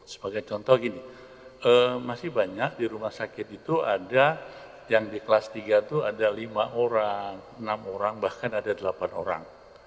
sebagai contoh gini masih banyak di rumah sakit itu ada yang di kelas tiga itu ada lima orang enam orang bahkan ada delapan orang